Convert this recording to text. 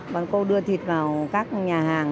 bọn cô đưa thịt vào các nhà hàng